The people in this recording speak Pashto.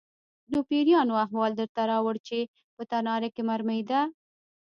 _نو پېريانو احوال درته راووړ چې په تناره کې مرمۍ ده؟